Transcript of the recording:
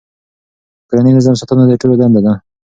د کورني نظم ساتنه د ټولو دنده ده.